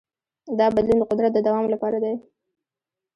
دا بدلون د قدرت د دوام لپاره دی.